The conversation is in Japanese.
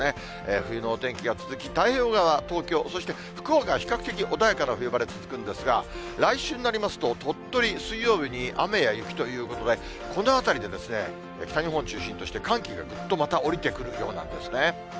冬のお天気が続き、太平洋側は東京、そして福岡、比較的、穏やかな冬晴れ続くんですが、来週になりますと、鳥取、水曜日に雨や雪ということで、このあたりで北日本を中心として寒気がぐっとまた下りてくるようなんですね。